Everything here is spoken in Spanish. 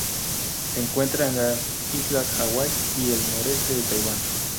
Se encuentra en las islas Hawái y el noreste de Taiwán.